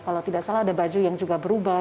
kalau tidak salah ada baju yang juga berubah